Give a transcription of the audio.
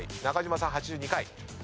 中島さん８２回。